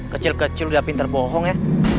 kecil kecil udah pintar bohong ya